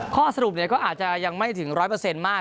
ข้อสรุปก็อาจจะยังไม่ถึง๑๐๐มาก